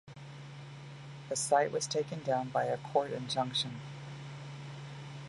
The site was taken down by a court injunction.